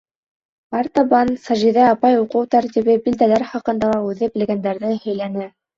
Артабан Сажиҙә апай уҡыу тәртибе, билдәләр хаҡында ла үҙе белгәндәрҙе һөйләне: